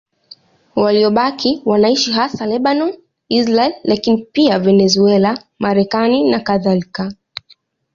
Waliobaki wanaishi hasa Lebanoni, Israeli, lakini pia Venezuela, Marekani nakadhalika.